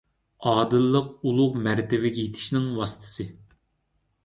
ئادىللىق – ئۇلۇغ مەرتىۋىگە يېتىشنىڭ ۋاسىتىسى.